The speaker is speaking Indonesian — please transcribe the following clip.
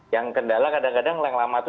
yang kendala kadang kadang yang lama itu